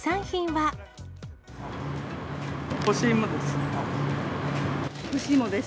干し芋です。